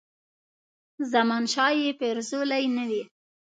زمانشاه یې پرزولی نه وي.